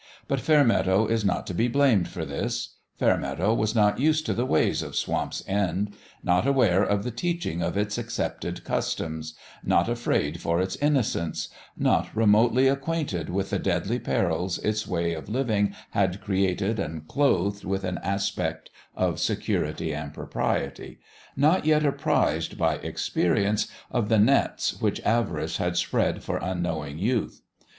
But Fairmeadow is not to be blamed for this. Fairmeadow was not used to the ways of Swamp's End not aware of the teaching of its accepted customs not afraid for its innocents not remotely acquainted with the deadly perils its way of living had created and clothed with an aspect of security and propriety not yet apprised by experience of the nets which avarice had spread for unknowing youth.